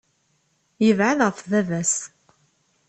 Yebɛed ɣef baba-s.